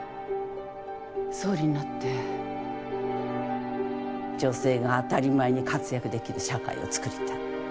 総理になって女性が当たり前に活躍できる社会を作りたい。